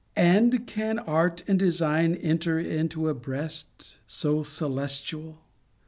And can art and design enter into a breast so celestial?